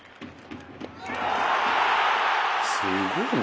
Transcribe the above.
「すごいな」